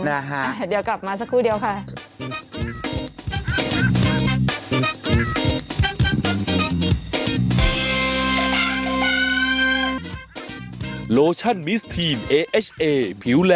เดี๋ยวกลับมาสักครู่เดียวค่ะ